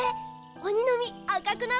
おにのみあかくなったよ。